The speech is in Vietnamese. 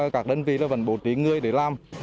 các đơn vị vẫn bổ trí người để làm